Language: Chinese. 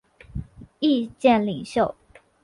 意见领袖。